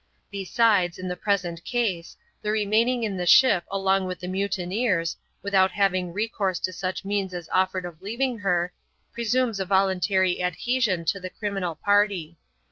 Besides, in the present case, the remaining in the ship along with the mutineers, without having recourse to such means as offered of leaving her, presumes a voluntary adhesion to the criminal party.